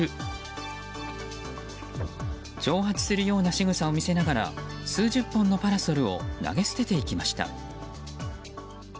挑発するようなしぐさを見せながら数十本のパラソルを投げ捨てていきました。